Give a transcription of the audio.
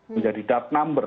menjadi dark number